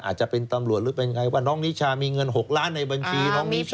อาจจะเป็นตำรวจหรือเป็นไงว่าน้องนิชามีเงิน๖ล้านในบัญชีน้องนิชา